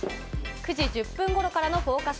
９時１０分頃からのＦＯＣＵＳ